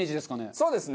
そうですね。